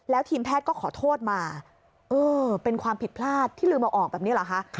แล้วทีมแพทย์ก็ขอโทษมาเออเป็นความผิดพลาดที่ลืมเอาออกแบบนี้เหรอคะ